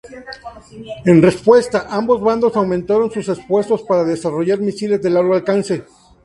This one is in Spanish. En respuesta, ambos bandos aumentaron sus esfuerzos para desarrollar misiles de largo alcance.